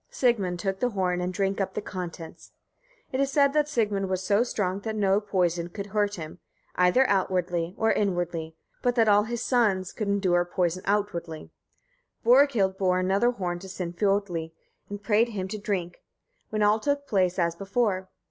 Sigmund took the horn and drank up the contents. It is said that Sigmund was so strong that no poison could hurt him, either outwardly or inwardly; but that all his sons could endure poison outwardly. Borghild bore another horn to Sinfiotli, and prayed him to drink, when all took place as before.